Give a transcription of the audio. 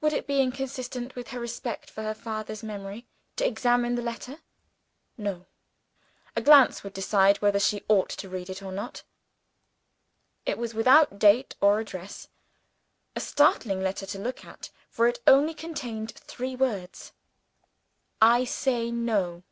Would it be inconsistent with her respect for her father's memory to examine the letter? No; a glance would decide whether she ought to read it or not. It was without date or address; a startling letter to look at for it only contained three words: "I say No."